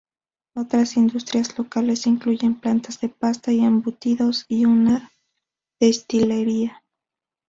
Otras industrias locales incluyen plantas de pasta y embutidos y una destilería.